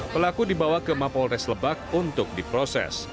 pelaku dibawa ke mapol res lebak untuk diproses